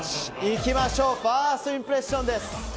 いきましょうファーストインプレッションです。